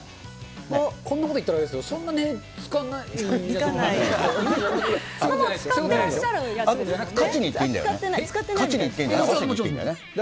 こんなこと言ったらあれですけど、そんな値がつかないんじゃないか。